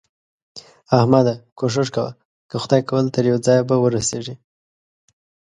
احمده! کوښښ کوه؛ که خدای کول تر يوه ځايه به ورسېږې.